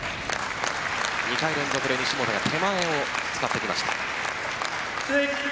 ２回連続で西本が手前を使ってきました。